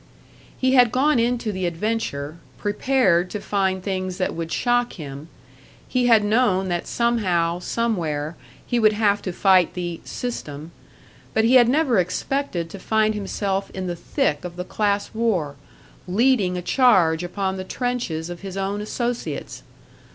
He had gone into the adventure, prepared to find things that would shock him; he had known that somehow, somewhere, he would have to fight the "system." But he had never expected to find himself in the thick of the class war, leading a charge upon the trenches of his own associates.